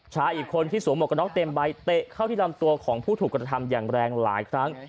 ชายอีกคนที่สวมหวกกระน็อกเต็มใบเตะเข้าที่ลำตัวของผู้ถูกกระทำอย่างแรงหลายครั้ง